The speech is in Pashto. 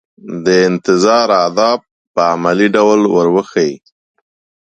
د انتظار آداب په عملي ډول ور وښيي.